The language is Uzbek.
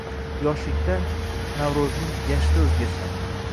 «Yoshlik»da Navro‘zning gashti o‘zgacha